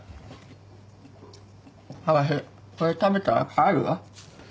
私これ食べたら帰るわ。